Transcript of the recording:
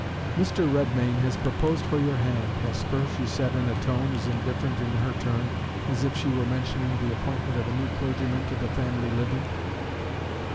"Mr. Redmain has proposed for your hand, Hesper," she said, in a tone as indifferent in her turn as if she were mentioning the appointment of a new clergyman to the family living.